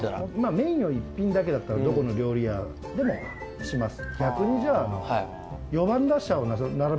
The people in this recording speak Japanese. メインが一品だけだったらどこの料理屋でもします。